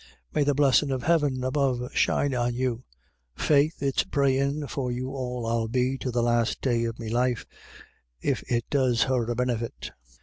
u May the blessin' of Heaven above shine on you ! Faith, it's prayin' for 120 IRISH IDYLLS. you all I'll be to the last day of me life, it it does her a benefit."